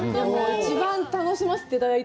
一番楽しませていただいて。